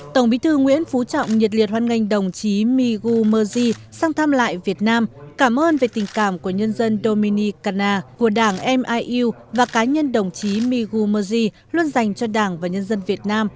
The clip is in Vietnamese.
tổng bí thư nguyễn phú trọng nhiệt liệt hoan nghênh đồng chí migu moji sang thăm lại việt nam cảm ơn về tình cảm của nhân dân dominicana của đảng miu và cá nhân đồng chí migu moji luôn dành cho đảng và nhân dân việt nam